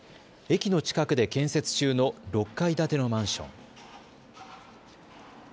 駅の近くで建設中の６階建てのマンション。